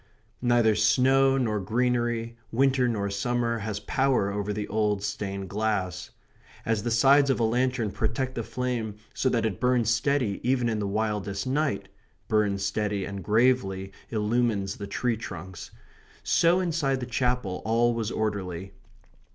Neither snow nor greenery, winter nor summer, has power over the old stained glass. As the sides of a lantern protect the flame so that it burns steady even in the wildest night burns steady and gravely illumines the tree trunks so inside the Chapel all was orderly.